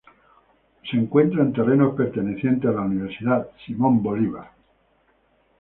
Se encuentra en terrenos pertenecientes a la Universidad Simón Bolívar.